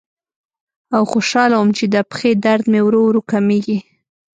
او خوشاله وم چې د پښې درد مې ورو ورو کمیږي.